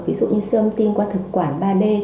ví dụ như siêu âm tim qua thực quản ba d